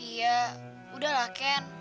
iya udah lah ken